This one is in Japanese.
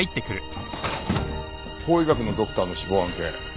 法医学のドクターの死亡案件